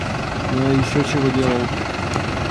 Ну а ещё чего делал?